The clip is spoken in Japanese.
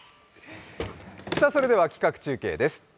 それでは企画中継です。